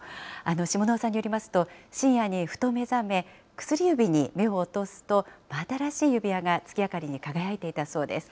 シモノワさんによりますと、深夜にふと目覚め、薬指に目を落とすと、真新しい指輪が月明かりに輝いていたそうです。